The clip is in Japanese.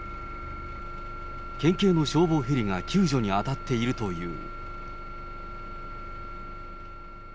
県警の消防ヘリが救助に当たっているという。